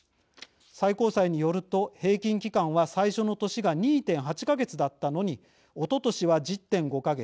最高裁によると、平均期間は最初の年が２．８か月だったのにおととしは１０．５か月。